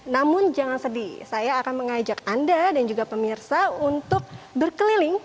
namun jangan sedih saya akan mengajak anda dan juga pemirsa untuk berkeliling